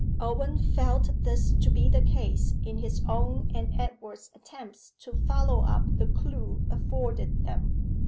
Owen felt this to be the case in his own and Edward's attempts to follow up the clue afforded them.